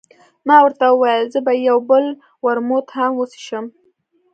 ما ورته وویل، زه به یو بل ورموت هم وڅښم.